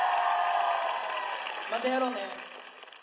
またやろうね。